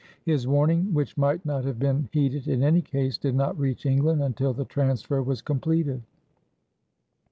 His warning, which might not have been heeded in any case, did not reach England until the transfer was completed.